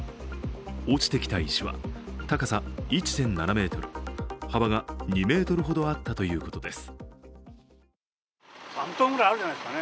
落ちてきた石は高さ１．７ｍ、幅が２ｍほどあったということです。